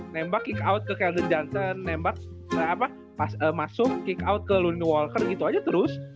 nembak kick out ke callen johnson nembak pas masuk kick out ke lone walker gitu aja terus